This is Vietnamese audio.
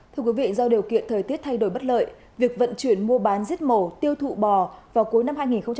thưa quý vị do điều kiện thời tiết thay đổi bất lợi việc vận chuyển mua bán giết mổ tiêu thụ bò vào cuối năm hai nghìn một mươi tám